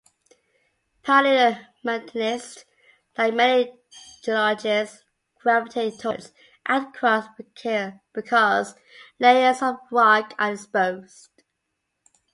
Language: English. Paleomagnetists, like many geologists, gravitate towards outcrops because layers of rock are exposed.